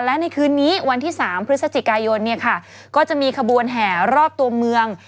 และในคืนนี้วันที่๓พฤศจิกายนเนี่ยค่ะก็จะมีขบวนแห่รอบตัวเมือง